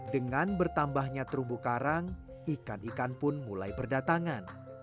dengan bertambahnya terumbu karang ikan ikan pun mulai berdatangan